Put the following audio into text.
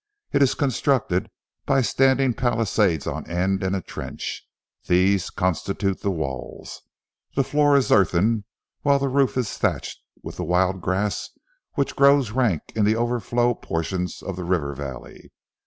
It is constructed by standing palisades on end in a trench. These constitute the walls. The floor is earthen, while the roof is thatched with the wild grass which grows rank in the overflow portions of the river valley.